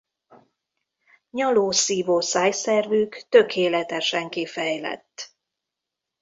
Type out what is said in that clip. Nyaló–szívó szájszervük tökéletesen kifejlett.